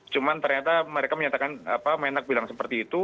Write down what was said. cuma ternyata mereka menyatakan menak bilang seperti itu